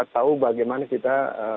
tahu bagaimana kita